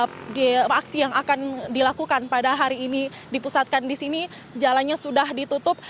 berbagai aksi yang akan dilakukan pada hari ini dipusatkan di sini jalannya sudah ditutup